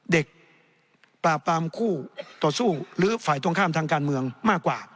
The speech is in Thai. ปราบปรามคู่ต่อสู้หรือฝ่ายตรงข้ามทางการเมืองมากกว่า